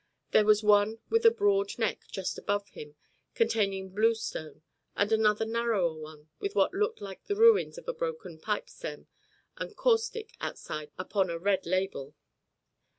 There was one with a broad neck just above him containing bluestone, and another narrower one with what looked like the ruins of a broken pipestem and "Caustic" outside upon a red label.